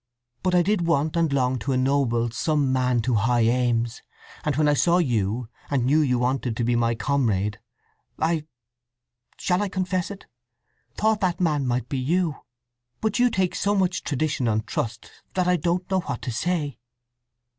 "But I did want and long to ennoble some man to high aims; and when I saw you, and knew you wanted to be my comrade, I—shall I confess it?—thought that man might be you. But you take so much tradition on trust that I don't know what to say."